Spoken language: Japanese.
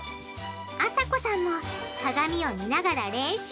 あさこさんも鏡を見ながら練習！